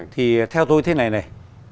thì theo tôi thế này này